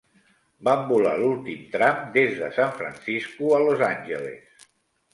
Van volar l'últim tram des de San Francisco a Los Angeles.